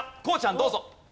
こうちゃんどうぞ。